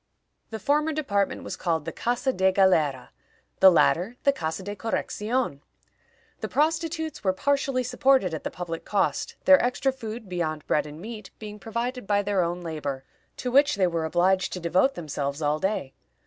The former department was called the Casa de Galera; the latter, the Casa de Correccion. The prostitutes were partially supported at the public cost, their extra food, beyond bread and meat, being provided by their own labor, to which they were obliged to devote themselves all day.